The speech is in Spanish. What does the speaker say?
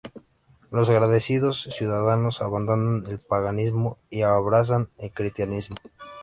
Los agradecidos ciudadanos abandonan el paganismo y abrazan el cristianismo.